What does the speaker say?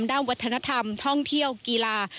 ด้านวัฒนธรรมท่องเที่ยวกีฬา